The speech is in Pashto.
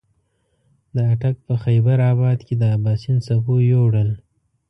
د اټک په خېبر اباد کې د اباسین څپو یوړل.